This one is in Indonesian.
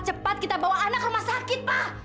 cepat kita bawa ana ke rumah sakit pa